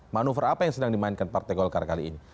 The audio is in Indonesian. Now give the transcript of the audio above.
manuver apa yang sedang dimainkan partai golkar kali ini